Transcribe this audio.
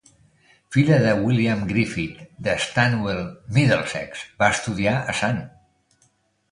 Filla de William Griffith de Stanwell, Middlesex, va estudiar a Sant.